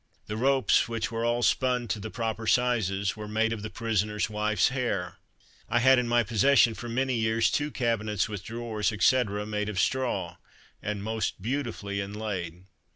The ropes, which were all spun to the proper sizes, were made of the prisoner's wife's hair. I had in my possession for many years, two cabinets, with drawers, &c., made of straw, and most beautifully inlaid.